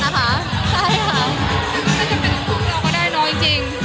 แต่ก็จะเป็นความรู้สึกว่าได้เนาะจริง